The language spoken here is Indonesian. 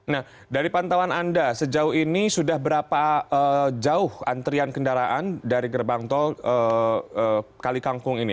nah dari pantauan anda sejauh ini sudah berapa jauh antrian kendaraan dari gerbang tol kali kangkung ini